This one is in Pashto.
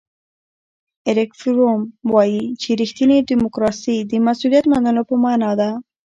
اریک فروم وایي چې ریښتینې دیموکراسي د مسؤلیت منلو په مانا ده.